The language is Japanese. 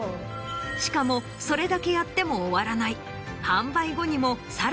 しかもそれだけやっても終わらない。